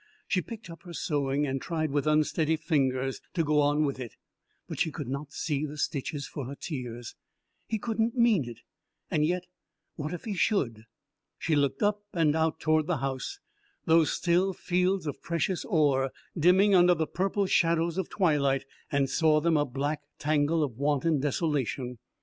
She picked up her sewing and tried with unsteady fingers to go on with it, but she could not see the stitches for her tears. He couldn't mean it and yet, what if he should? She looked up and out toward those still fields of precious ore, dimming under the purple shadows of twilight, and saw them a black tangle of wanton desolation.